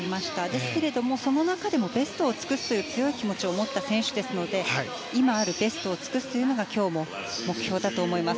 ですけれども、その中でもベストを尽くすという強い気持ちを持った選手ですので今あるベストを尽くすというのが今日も、目標だと思います。